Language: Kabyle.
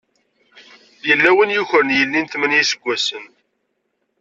Yella win yukren yelli n tmanya n yiseggasen.